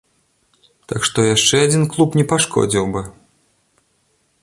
Так што яшчэ адзін клуб не пашкодзіў бы.